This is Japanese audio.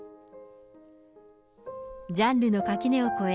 ジャンルの垣根を越え、